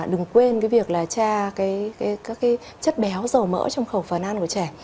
đừng quên tra các chất béo dầu mỡ trong khẩu phần ăn của trẻ